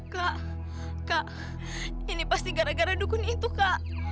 kak kak ini pasti gara gara dukun itu kak